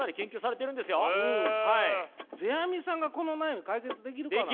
世阿弥さんがこの悩み解決できるかな？